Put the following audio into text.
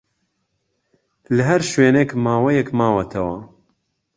لە ھەر شوێنێک ماوەیەک ماوەتەوە